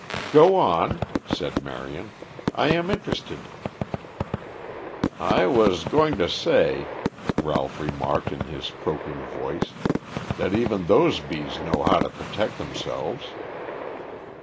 "Go on," said Marion. "I am interested." "I was going to say," Ralph remarked in his croaking voice, "that even those bees know how to protect themselves."